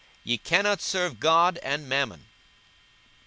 Ye cannot serve God and mammon.